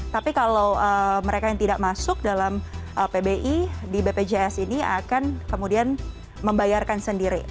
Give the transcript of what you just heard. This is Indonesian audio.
tapi kalau mereka yang tidak masuk dalam pbi di bpjs ini akan kemudian membayarkan sendiri